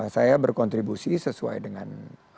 saya berkontribusi sesuai dengan